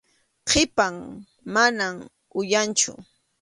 Qhipan, mana uyanchu.